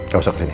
gak usah kesini